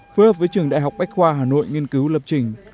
phối hợp với trường đại học bách khoa hà nội nghiên cứu lập trình